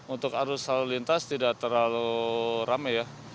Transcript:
untuk arus lalu lintas tidak terlalu rame ya